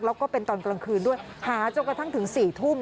แล้วก็เป็นตอนกลางคืนด้วยหาจนกระทั่งถึง๔ทุ่ม